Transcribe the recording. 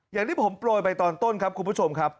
อย่างที่ผมโปรยไปตอนต้นครับคุณผู้ชมครับ